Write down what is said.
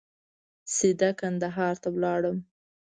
سیده کندهار ته ولاړم.